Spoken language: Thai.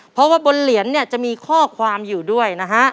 เพราะว่าบนเหรียญเนี่ยจะมีข้อความอยู่ด้วยนะฮะ